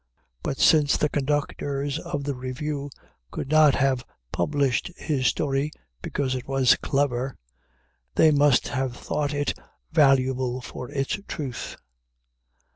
But since the conductors of the Revue could not have published his story because it was clever, they must have thought it valuable for its truth.